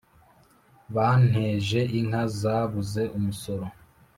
Banteje inka zabuze umusoro